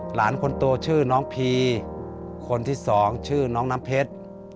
หลานคนโตชื่อน้องพีคนที่สองชื่อน้องน้ำเพชร